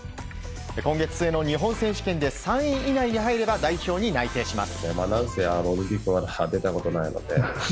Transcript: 今月末の日本選手権で３位以内に入れば代表に内定します。